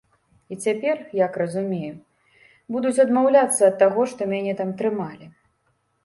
І цяпер, як разумею, будуць адмаўляцца ад таго, што мяне там трымалі.